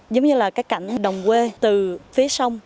giống như là cái cảnh đồng quê từ phía sông